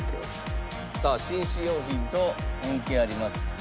「さあ紳士用品と関係あります」